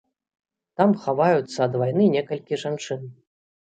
Там хаваюцца ад вайны некалькі жанчын.